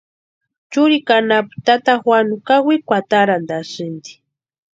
Churikwa anapu tata Juanu kawikwa atarantʼasïnti.